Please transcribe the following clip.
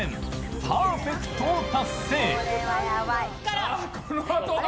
パーフェクトを達成。